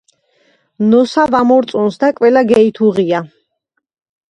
ნოსა ვამორწონს და კველა გეითუღია